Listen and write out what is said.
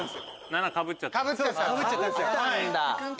７かぶっちゃった。